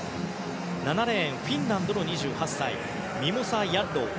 ７レーン、フィンランドの２８歳ミモサ・ヤッロウ。